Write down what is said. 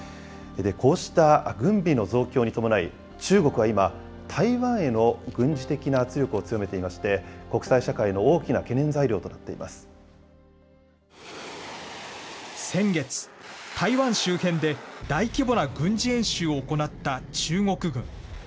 こうした軍備の増強に伴い、中国は今、台湾への軍事的な圧力を強めていまして、国際社会の大きな先月、台湾周辺で大規模な軍事演習を行った中国軍。